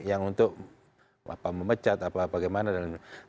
yang untuk apa memecat apa bagaimana dan lain sebagainya